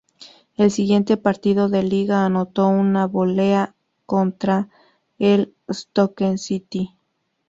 El siguiente partido de liga anotó una volea contra el Stoke City.